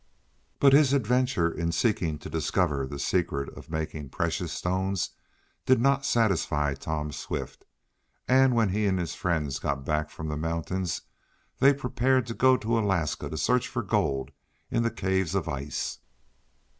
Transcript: But his adventure in seeking to discover the secret of making precious stones did not satisfy Tom Swift, and when he and his friends got back from the mountains they prepared to go to Alaska to search for gold in the caves of ice.